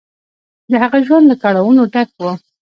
د هغه ژوند له کړاوونو ډک و.